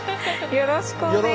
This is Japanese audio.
よろしくお願いします。